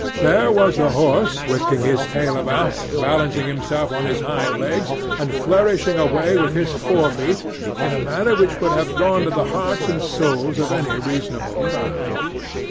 There was the horse, whisking his tail about, balancing himself on his hind legs, and flourishing away with his fore feet, in a manner which would have gone to the hearts and souls of any reasonable crowd.